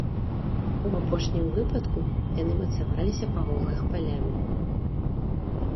У апошнім выпадку яны мацаваліся па вуглах палямі.